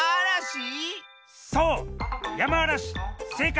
そう！